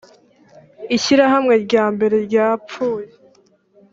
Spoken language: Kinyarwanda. ishyirahamwe ryambere ryapfuye